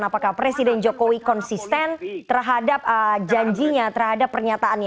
apakah presiden jokowi konsisten terhadap janjinya terhadap pernyataannya